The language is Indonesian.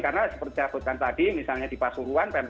karena seperti yang saya katakan tadi misalnya di pasuruan pempek